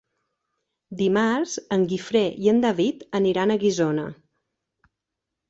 Dimarts en Guifré i en David aniran a Guissona.